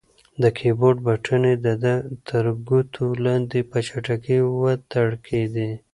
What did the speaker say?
د کیبورډ بټنې د ده تر ګوتو لاندې په چټکۍ وتړکېدې.